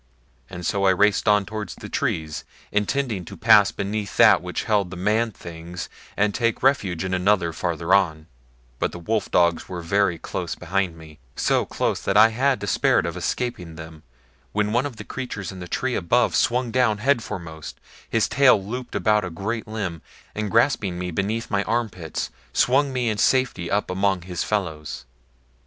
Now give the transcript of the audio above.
And so I raced on toward the trees intending to pass beneath that which held the man things and take refuge in another farther on; but the wolf dogs were very close behind me so close that I had despaired of escaping them, when one of the creatures in the tree above swung down headforemost, his tail looped about a great limb, and grasping me beneath my armpits swung me in safety up among his fellows.